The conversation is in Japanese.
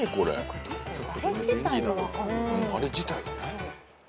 あれ自体がね。